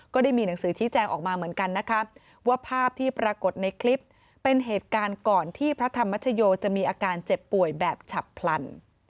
ก็ได้มีหนังสือชี้แจงออกมาเหมือนกันนะคะว่าภาพที่ปรากฏในคลิปเป็นเหตุการณ์ก่อนที่พระธรรมชโยจะมีอาการเจ็บป่วยแบบฉับพลัน